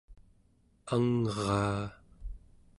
angraa